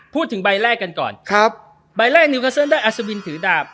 พูดถึงใบแรกกันก่อนครับใบแรกนิวคาซ่อนได้อัสวินถือดาบ